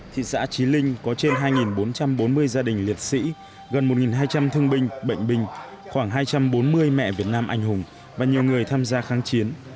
thị xã trí linh có trên hai bốn trăm bốn mươi gia đình liệt sĩ gần một hai trăm linh thương binh bệnh binh khoảng hai trăm bốn mươi mẹ việt nam anh hùng và nhiều người tham gia kháng chiến